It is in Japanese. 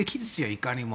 いかにも。